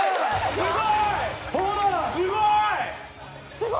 すごい！